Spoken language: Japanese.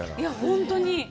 本当に！